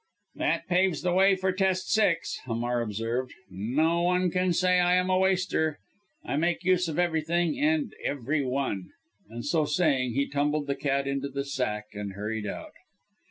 "That paves the way for test six," Hamar observed; "no one can say I am a waster I make use of everything and every one;" and so saying he tumbled the cat into the sack and hurried out.